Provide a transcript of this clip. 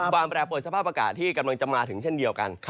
กว่าแปลประกาศที่กำลังจะมาถึงเช่นเดียวกัน